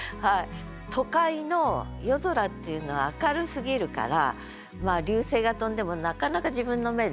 都会の夜空っていうのは明るすぎるから流星が飛んでもなかなか自分の目で確認ができないと。